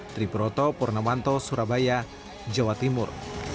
triproto purnamanto surabaya jawa timur